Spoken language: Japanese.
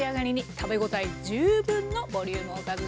食べごたえ十分のボリュームおかずです。